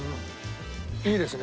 いいですね。